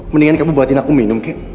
mendingan kamu buatin aku minum